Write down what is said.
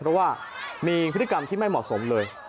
เพราะว่ามีพฤติกรรมที่ไม่เหมาะสมเลย